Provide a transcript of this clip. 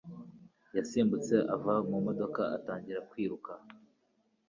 yasimbutse ava mu modoka atangira kwiruka.